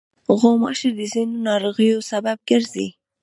غوماشې د ځینو ناروغیو سبب ګرځي.